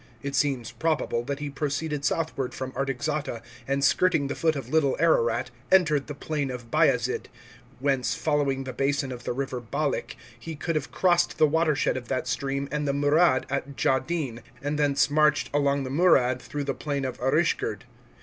It seems probable that he proceeded southward from Artaxata, and skirting the foot of Little Ararat entered the plain of Bayazid ; whence, following the basin of the river Balyk he could have crossed the watershed of that stream and the Murad at Djadin, and thence marched along the Murad through the plain of Arishgerd.